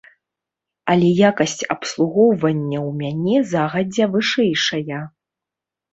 Але якасць абслугоўвання ў мяне загадзя вышэйшая.